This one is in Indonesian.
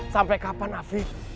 sampai kapan afif